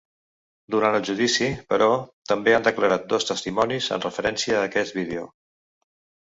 Durant el judici, però, també han declarat dos testimonis en referència a aquest vídeo.